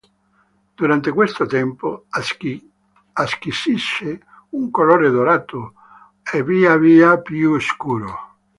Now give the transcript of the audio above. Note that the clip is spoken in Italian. Durante questo tempo acquisisce un colore dorato e via via più scuro.